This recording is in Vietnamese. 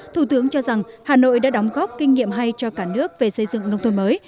thủ tướng cho rằng hà nội đã đóng góp kinh nghiệm hay cho cả nước về xây dựng nông thôn mới